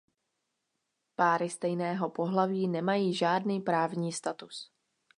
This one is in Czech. Páry stejného pohlaví nemají žádný právní status.